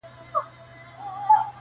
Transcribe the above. • دا د روپیو تاوان څۀ ته وایي ..